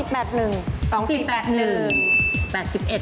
๘๑บาท